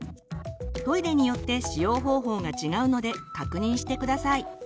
トイレによって使用方法が違うので確認して下さい。